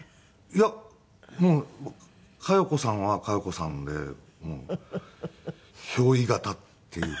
いやもう加代子さんは加代子さんで憑依型っていうか。